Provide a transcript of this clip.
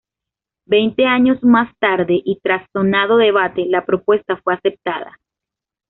Veinte años más tarde, y tras sonado debate, la propuesta fue aceptada.